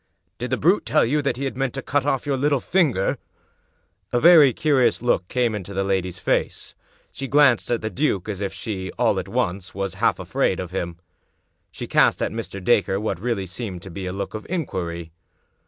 " Did the brute tell you that he meant to cut off your little finger?" A very curious look came into the lady's face. She glanced at the duke as if she, all at once, was half afraid of him. She cast at Mr. Dacre what really seemed to be a look of inquiry.